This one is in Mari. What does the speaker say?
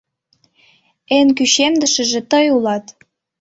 Эн кӱчемдышыже тый улат!..